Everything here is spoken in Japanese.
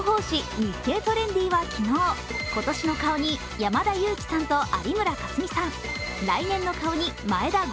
「日経トレンディ」は昨日、今年の顔に山田裕貴さんと有村架純さん、来年の顔に眞栄田郷